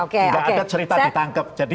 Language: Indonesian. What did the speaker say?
tidak ada cerita ditangkap jadi